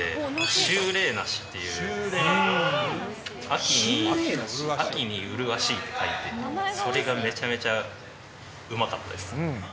秋麗梨っていう、秋に麗しいって書いて、それがめちゃめちゃうまかったです。